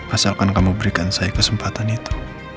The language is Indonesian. asalkan kamu berikan saya kesempatan itu